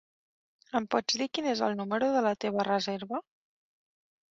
Em pots dir quin és el número de la teva reserva?